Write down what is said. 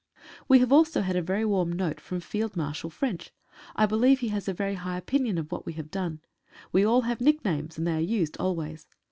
We have also had a very warm note from Field Marshall French. I believe he has a very high opinion of what we have done. We all have nicknames, and they are used always.